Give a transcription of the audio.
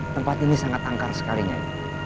tempat ini sangat angkar sekali nyai